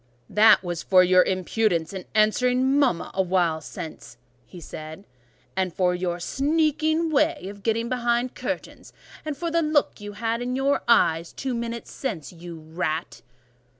"That is for your impudence in answering mama awhile since," said he, "and for your sneaking way of getting behind curtains, and for the look you had in your eyes two minutes since, you rat!"